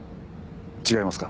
違いますか？